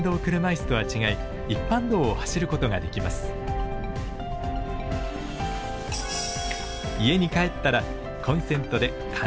家に帰ったらコンセントで簡単に充電。